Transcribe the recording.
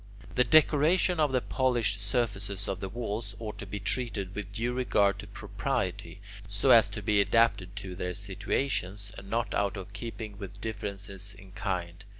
The decorations of the polished surfaces of the walls ought to be treated with due regard to propriety, so as to be adapted to their situations, and not out of keeping with differences in kind.